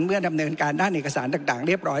เมื่อดำเนินการด้านเอกสารดักดังเรียบร้อย